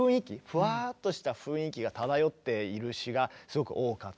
フワッとした雰囲気が漂っている詩がすごく多かった。